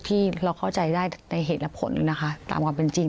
ที่เราเข้าใจได้ในเหตุและผลนะคะตามความเป็นจริง